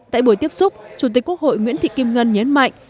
tại buổi tiếp xúc chủ tịch quốc hội nguyễn thị kim ngân nhấn mạnh